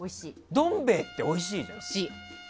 どん兵衛っておいしいじゃん。